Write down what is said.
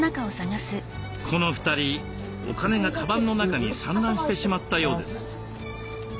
この２人お金がカバンの中に散乱してしまったようです。